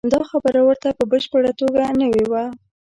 دا خبره ورته په بشپړه توګه نوې وه.